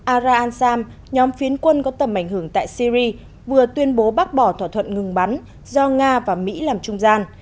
araan sam nhóm phiến quân có tầm ảnh hưởng tại syri vừa tuyên bố bác bỏ thỏa thuận ngừng bắn do nga và mỹ làm trung gian